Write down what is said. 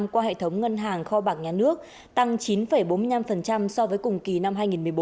qua hệ thống ngân hàng kho bạc nhà nước tăng chín bốn mươi năm so với cùng kỳ năm hai nghìn một mươi bốn